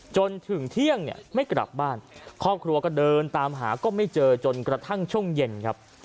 จนถึงเที่ยงเนี่ยไม่กลับบ้านครอบครัวก็เดินตามหาก็ไม่เจอจนกระทั่งช่วงเย็นครับ